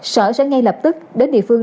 sở sẽ ngay lập tức đến địa phương